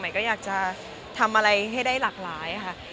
ก็อยากจะทำอะไรให้ได้หลากหลายค่ะ